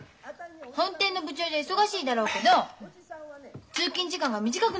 本店の部長じゃ忙しいだろうけど通勤時間が短くなるんだもん。